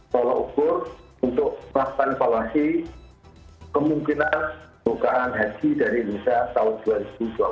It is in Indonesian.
tolak ukur untuk memastikan kemungkinan bukaan haji dari indonesia tahun dua ribu dua puluh dua